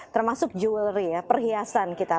termasuk jewelry ya perhiasan kita